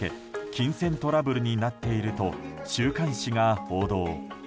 金銭トラブルになっていると週刊誌が報道。